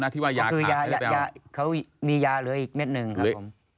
คือยาเขามียาเหลืออีกเม็ดหนึ่งครับผม